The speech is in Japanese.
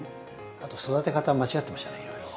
あと育て方間違ってましたねいろいろ。